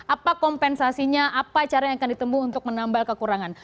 apa kompensasinya apa cara yang akan ditembu untuk menambal kekurangan